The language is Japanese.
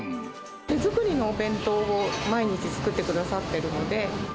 手作りのお弁当を毎日作ってくださっているので。